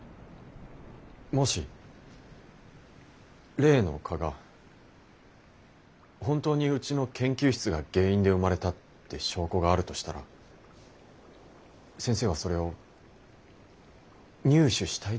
もし例の蚊が本当にうちの研究室が原因で生まれたって証拠があるとしたら先生はそれを入手したいですか？